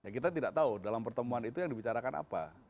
kita tidak tahu dalam pertemuan itu yang dibicarakan apa